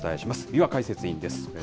三輪解説委員です。